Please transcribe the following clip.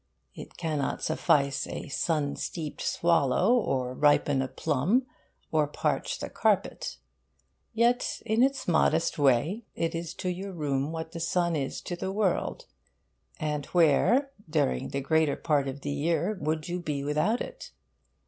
It cannot suffice a sun steeped swallow, or ripen a plum, or parch the carpet. Yet, in its modest way, it is to your room what the sun is to the world; and where, during the greater part of the year, would you be without it?